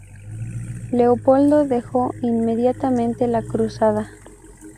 Leopoldo dejó inmediatamente la cruzada.